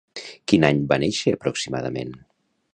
Quin any va néixer aproximadament?